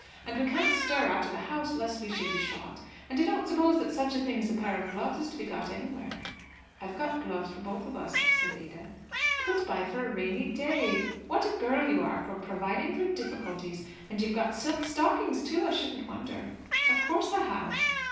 And we can't stir out of the house lest we should be shot, and I don't suppose that such a thing as a pair of gloves is to be got anywhere." "I've got gloves for both of us," said Ada. "Put by for a rainy day. What a girl you are for providing for difficulties! And you've got silk stockings too, I shouldn't wonder." "Of course I have."